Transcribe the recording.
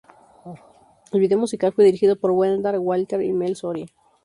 El vídeo musical fue dirigido por Brendan Walter y Mel Soria.